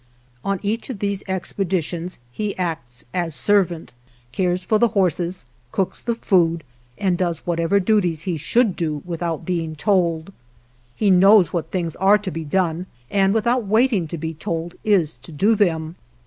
On each of these expeditions he acts as servant, cares for the horses, cooks the food, and does whatever duties he should do with out being told. He knows what things are to be done, and without waiting to be told is to do them.